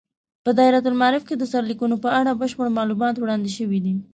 په دایرة المعارف کې د سرلیکونو په اړه بشپړ معلومات وړاندې شوي دي.